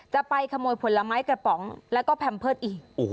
จะไปขโมยผลไม้กระป๋องแล้วก็แพมเพิร์ตอีก